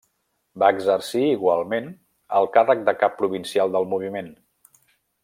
Va exercir igualment el càrrec de cap provincial del Moviment.